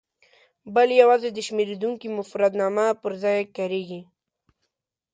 بل یوازې د شمېرېدونکي مفردنامه پر ځای کاریږي.